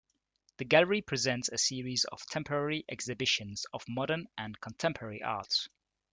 The gallery presents a series of temporary exhibitions of modern and contemporary art.